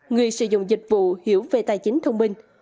người sử dụng dịch vụ hiểu về tài chính thông minh